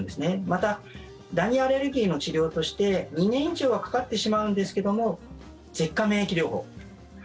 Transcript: またダニアレルギーの治療として２年以上はかかってしまうんですけども舌下免疫療法。